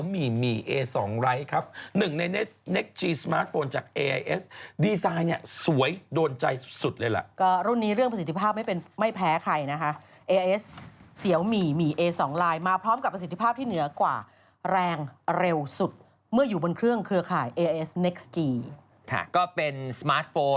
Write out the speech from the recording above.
มีคนมาถามฉันว่าได้พิเศษอีกไหมฉันซื้อได้เลยไหม